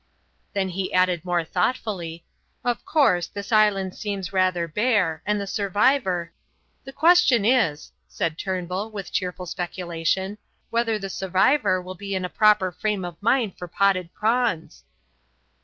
Then he added more thoughtfully: "Of course this island seems rather bare and the survivor " "The question is," said Turnbull, with cheerful speculation, "whether the survivor will be in a proper frame of mind for potted prawns."